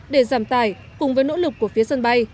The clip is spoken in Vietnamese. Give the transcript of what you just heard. để giảm tải cùng với nỗ lực của phía sân bay